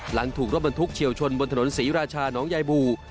หลังถูกรถบรรทุกเฉียวชนบนถนนศรีราชาน้องยายบู